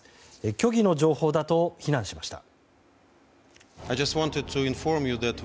虚偽の情報だと非難しました。